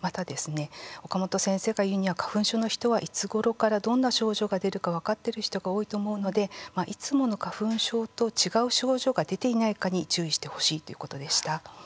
また、岡本先生が言うには花粉症の人は、いつごろからどんな症状が出るか分かっている人が多いと思うのでいつもの花粉症と違う症状が出ていないかに注意してほしいとのことでした。